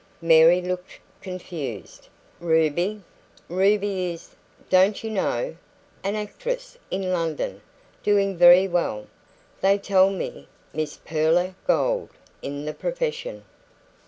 Mary looked confused. "Ruby? Ruby is don't you know? an actress in London. Doing very well, they tell me "Miss Pearla Gold" in the profession."